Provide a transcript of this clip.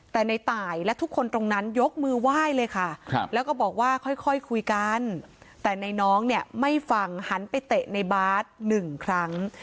แต่ในตายและทุกคนตรงนั้นยกมือไหว้เลยค่ะแล้วก็บอกว่าค่อยคุยกันแต่ในน้องเนี่ยไม่ฟังหันไปเตะในบาสหนึ่งครั้ง